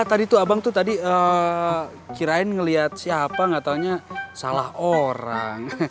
tadi tuh abang tuh tadi kirain ngeliat siapa nggak taunya salah orang